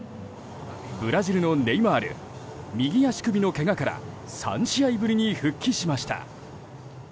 ブラジルのネイマール右足首のけがから３試合ぶりに復帰しました。